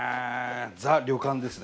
ザ・旅館ですね。